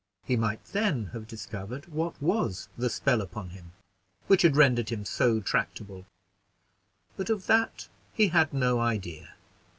he might then have discovered what was the "spell upon him" which had rendered him so tractable; but of that he had no idea.